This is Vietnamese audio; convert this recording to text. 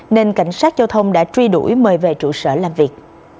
nên cảnh sát giao thông đã truy đuổi mời về trụ sở làm việc